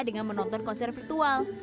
dengan menonton konser virtual